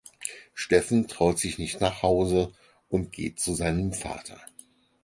Steffen traut sich nicht nach Hause und geht zu seinem Vater.